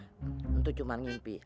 tentu cuma mimpi